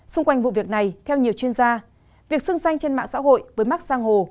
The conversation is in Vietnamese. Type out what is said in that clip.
xung quanh vụ việc này theo nhiều chuyên gia việc xưng danh trên mạng xã hội với max giang hồ